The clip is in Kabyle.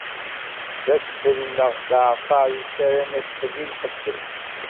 D asfel, neɣ d aɛalṭar yettarran asfel d imqeddes?